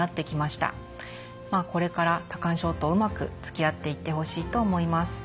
これから多汗症とうまくつきあっていってほしいと思います。